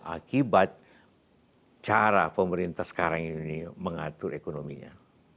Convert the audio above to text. akibat cara pemerintah sekarang ini mengatur ekonominya